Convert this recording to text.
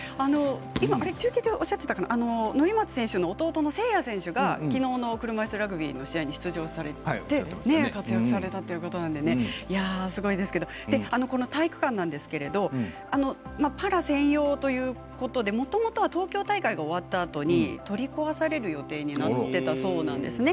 中継でおっしゃっていた乗松選手の弟の聖矢選手が、きのうの車いすラグビーの試合に出場されて、活躍されたということなのですごいですけどこの体育館ですけどパラ専用ということでもともとは東京大会が終わったあとに取り壊される予定になっていたそうなんですね。